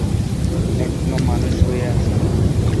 এখনো মানুষ হয়ে আছি।